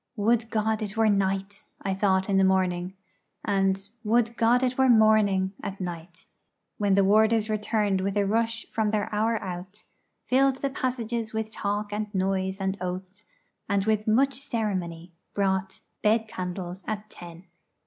'Would God it were night!' I thought in the morning; and 'Would God it were morning!' at night when the warders returned with a rush from their hour out, filled the passages with talk and noise and oaths, and with much ceremony brought bed candles at ten.